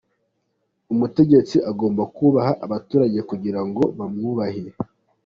Umutegetsi agomba kubaha abaturage kugira ngo bamwubahe.